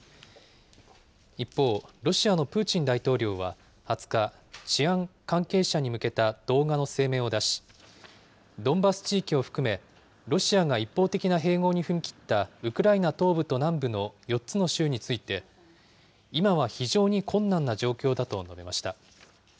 一方、ロシアのプーチン大統領は、２０日、治安関係者に向けた動画の声明を出し、ドンバス地域を含め、ロシアが一方的な併合に踏み切ったウクライナ東部と南部の４つの州について、今は非常に困難な状況だと述べました。